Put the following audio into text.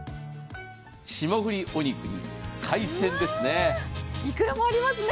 霜降りお肉、海鮮ですね。